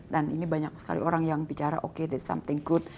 dan ini banyak sekali orang yang bicara oke that s something good